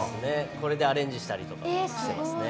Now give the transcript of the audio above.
これでアレンジしたりとかしてますね。